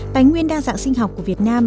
tài nguyên đa dạng sinh học của việt nam